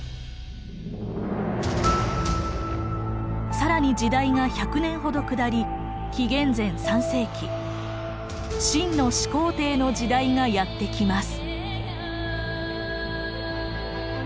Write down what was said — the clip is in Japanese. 更に時代が１００年ほど下り紀元前３世紀秦の始皇帝の時代がやって来ます。